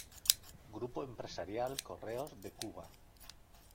Grupo Empresarial Correos de Cuba.